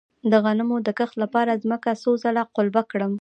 د غنمو د کښت لپاره ځمکه څو ځله قلبه کړم؟